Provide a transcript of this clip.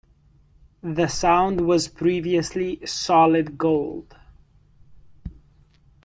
The Sound was previously Solid Gold.